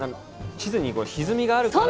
地図にひずみがあるから。